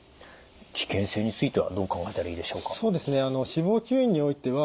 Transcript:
危険性についてはどう考えたらいいでしょうか？